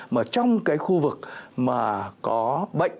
mà trong cái khu vực mà có bệnh